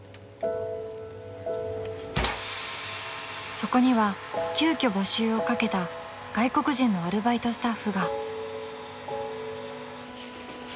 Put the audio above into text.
［そこには急きょ募集をかけた外国人のアルバイトスタッフが］